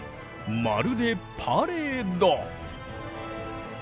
まるでパレード。